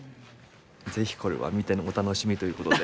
是非これは見てのお楽しみということで。